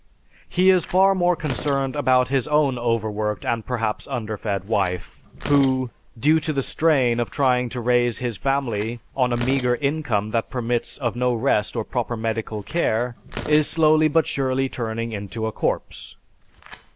He is far more concerned about his own overworked and perhaps underfed wife who, due to the strain of trying to raise his family on a meager income that permits of no rest or proper medical care, is slowly but surely turning into a corpse.